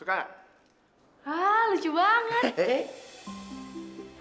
ah lucu banget